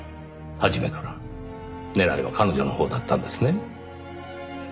初めから狙いは彼女のほうだったんですね。